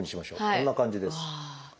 こんな感じです。